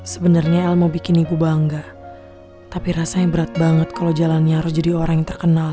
sebenarnya el mau bikin ibu bangga tapi rasanya berat banget kalau jalannya harus jadi orang yang terkenal